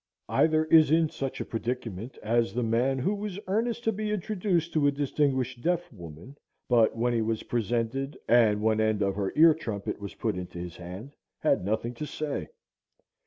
Either is in such a predicament as the man who was earnest to be introduced to a distinguished deaf woman, but when he was presented, and one end of her ear trumpet was put into his hand, had nothing to say.